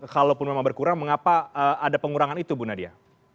kalaupun memang berkurang mengapa ada pengurangan itu bu nadia